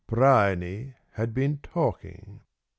Bryany had been talking.